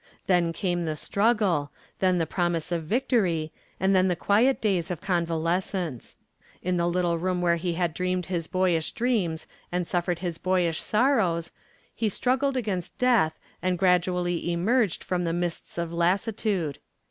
Then came the struggle, then the promise of victory and then the quiet days of convalescence. In the little room where he had dreamed his boyish dreams and suffered his boyish sorrows, he struggled against death and gradually emerged from the mists of lassitude.